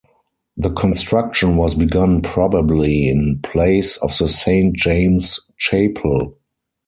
The construction was begun probably in place of the Saint James Chapel.